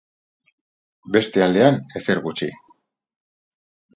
Beste aldean, ezer gutxi.